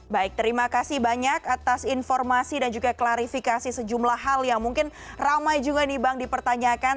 baik terima kasih banyak atas informasi dan juga klarifikasi sejumlah hal yang mungkin ramai juga nih bang dipertanyakan